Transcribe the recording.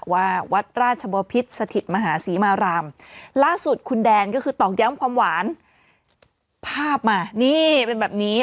วัดราชบพิษสถิตมหาศรีมารามล่าสุดคุณแดนก็คือตอกย้ำความหวานภาพมานี่เป็นแบบนี้